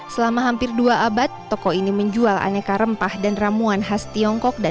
selama hampir dua abad toko ini menjual aneka rempah dan ramuan khas tiongkok